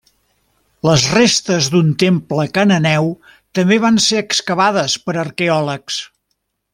Les restes d'un temple cananeu també van ser excavades pels arqueòlegs.